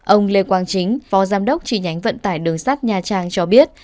ông lê quang chính phó giám đốc tri nhánh vận tải đường sắt nha trang cho biết